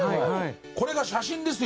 これが写真ですよ